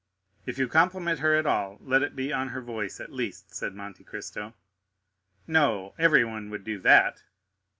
"If you compliment her at all, let it be on her voice, at least," said Monte Cristo. "No, everyone would do that."